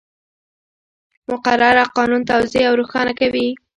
مقرره قانون توضیح او روښانه کوي.